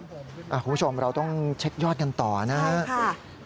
คุณผู้ชมเราต้องเช็คยอดกันต่อนะครับ